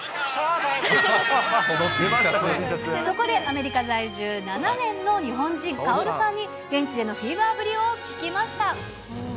そこでアメリカ在住７年の日本人、カオルさんに、現地でのフィーバーぶりを聞きました。